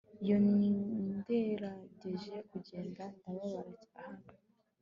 Iyo ngerageje kugenda ndababara hano